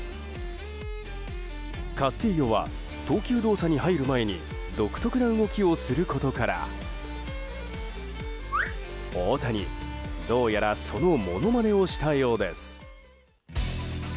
カスティーヨは投球動作に入る前に独特な動きをすることから大谷、どうやらそのものまねをしたようです。